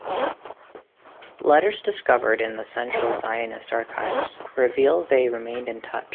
Letters discovered in the Central Zionist Archives reveal that they remained in touch.